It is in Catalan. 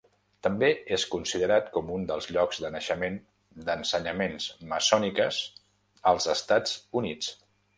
També és considerat com un dels llocs de naixement d'ensenyaments maçòniques als Estats Units.